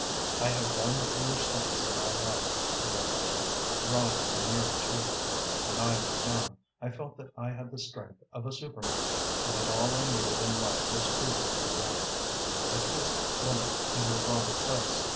"I have done foolish things in my life," he went on, drawing her nearer to him. "When I was young, I felt that I had the strength of a superman, and that all I needed in life was food for the brain. I placed woman in her wrong place.